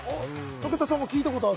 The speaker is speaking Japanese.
武田さん、聞いたことある？